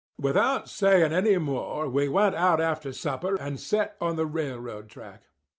"Without saying any more, we went out after supper and set on the railroad track.